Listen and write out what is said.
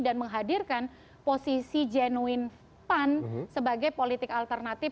dan menghadirkan posisi genuin pan sebagai politik alternatif